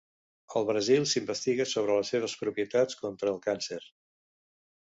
Al Brasil s'investiga sobre les seves propietats contra el càncer.